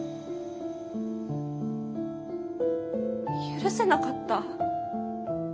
許せなかった。